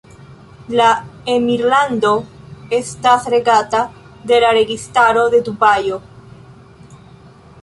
La emirlando estas regata de la Registaro de Dubajo.